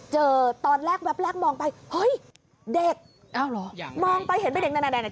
เจอตอนแรกแวบแรกมองไปเฮ้ยเด็กอ้าวเหรอมองไปเห็นไปเด็กนั่น